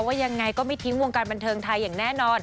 ว่ายังไงก็ไม่ทิ้งวงการบันเทิงไทยอย่างแน่นอน